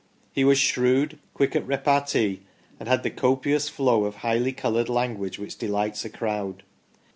He was shrewd, quick at repartee, and had the copious flow of highly coloured language which delights a crowd.